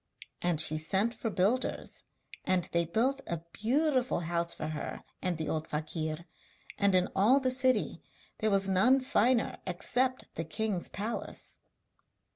And she sent for builders, and they built a beautiful house for her and the old fakir, and in all the city there was none finer except the king's palace.